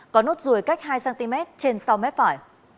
có nốt ruồi cách hai cm trên sau mép phải